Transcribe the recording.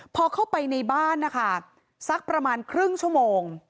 พอเข้าไปในบ้านนะคะสักประมาณครึ่งชั่วโมง